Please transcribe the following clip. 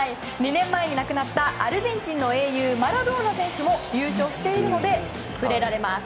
２年前に亡くなったアルゼンチンの英雄マラドーナ選手も優勝しているので触れられます。